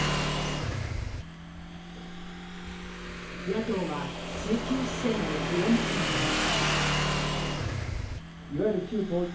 野党は追及姿勢を強めています。